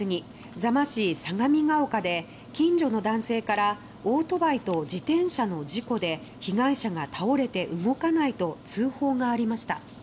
座間市相模が丘で近所の男性からオートバイと自転車の事故で被害者が倒れて動かないと通報がありました。